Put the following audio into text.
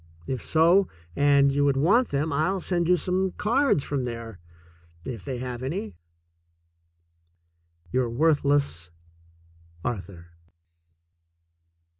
If so, and you would want them, I'll send you some cards from there — if they have any. Your worthless, Arthur.